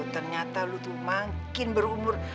ternyata lu tuh makin berumur